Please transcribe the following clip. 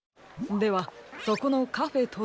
ではそこのカフェ